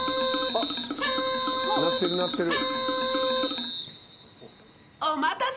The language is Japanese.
鳴ってる鳴ってる。